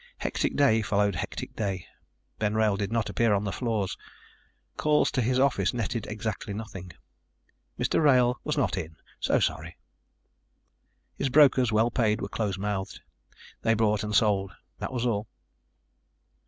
Hectic day followed hectic day. Ben Wrail did not appear on the floor. Calls to his office netted exactly nothing. Mr. Wrail was not in. So sorry. His brokers, well paid, were close mouthed. They bought and sold. That was all.